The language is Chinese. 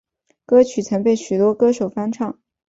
歌曲曾被许多歌手翻唱。